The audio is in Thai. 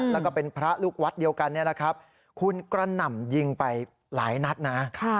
แล้วก็เป็นพระลูกวัดเดียวกันเนี่ยนะครับคุณกระหน่ำยิงไปหลายนัดนะ